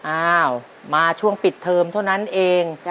อ้าวมาช่วงปิดเทอมเท่านั้นเอง